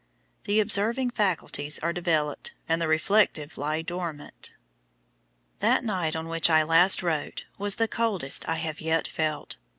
The observing faculties are developed, and the reflective lie dormant. That night on which I last wrote was the coldest I have yet felt.